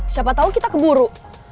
siapa tau kita keburu